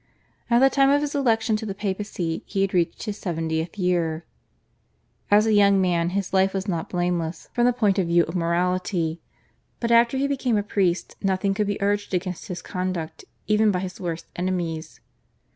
At the time of his election to the Papacy he had reached his seventieth year. As a young man his life was not blameless from the point of view of morality, but after he became a priest nothing could be urged against his conduct even by his worst enemies.